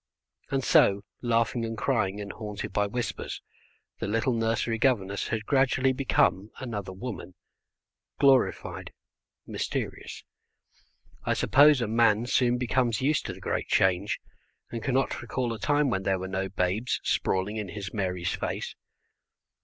And so, laughing and crying, and haunted by whispers, the little nursery governess had gradually become another woman, glorified, mysterious. I suppose a man soon becomes used to the great change, and cannot recall a time when there were no babes sprawling in his Mary's face.